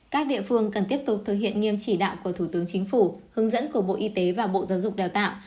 các địa phương cần tiếp tục thực hiện nghiêm chỉ đạo của thủ tướng chính phủ hướng dẫn của bộ y tế và bộ giáo dục đào tạo